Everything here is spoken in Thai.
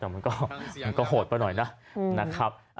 แต่มันก็โหดไปหน่อยนะ